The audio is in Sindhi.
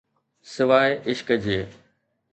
سواءِ عشق جي.